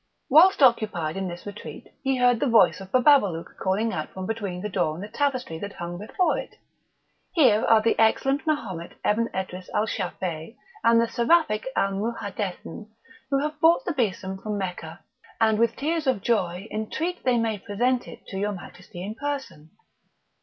Whilst occupied in this retreat he heard the voice of Bababalouk calling out from between the door and the tapestry that hung before it: "Here are the excellent Mahomet Ebn Edris al Shafei, and the seraphic Al Mouhadethin, who have brought the besom from Mecca, and with tears of joy intreat they may present it to your majesty in person."